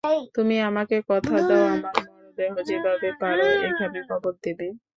তুমি আমাকে কথা দাও, আমার মরদেহ যেভাবেই পারো এখানে কবর দেবে।